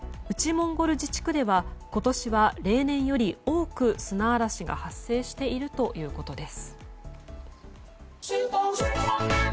モンゴル自治区では今年は例年より多く砂嵐が発生しているということです。